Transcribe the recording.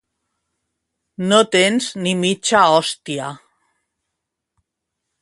No tens ni mitja hòstia